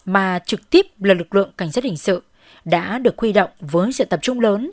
mà trực tiếp là lực lượng cảnh sát hình sự đã được huy động với sự tập trung lớn